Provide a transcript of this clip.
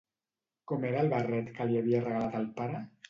Com era el barret que li havia regalat el pare?